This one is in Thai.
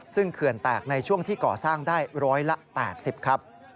ซึ่งเขื่อนแตกในช่วงที่ก่อสร้างได้ร้อยละ๘๐ครับ